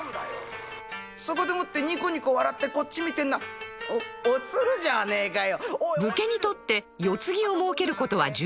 「そこでもってニコニコ笑ってこっち見てんのはお鶴じゃねえかよ」。